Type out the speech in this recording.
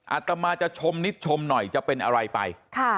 อาตมาจะชมนิดชมหน่อยจะเป็นอะไรไป